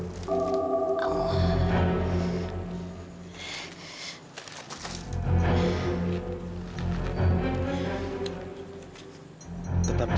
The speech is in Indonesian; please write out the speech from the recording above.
aku sudah mencintai kamila